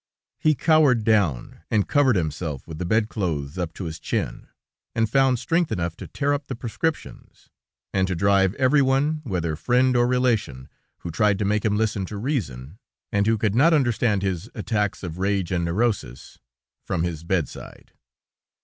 "He cowered down, and covered himself with the bed clothes up to his chin, and found strength enough to tear up the prescriptions, and to drive everyone, whether friend or relation, who tried to make him listen to reason, and who could not understand his attacks of rage and neurosis from his bedside.